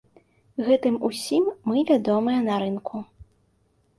Гэтым усім мы вядомыя на рынку.